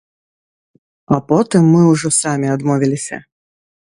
А потым мы ўжо самі адмовіліся.